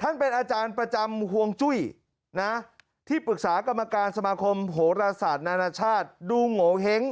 ท่านเป็นอาจารย์ประจำห่วงจุ้ยนะที่ปรึกษากรรมการสมาคมโหรศาสตร์นานาชาติดูโงเห้ง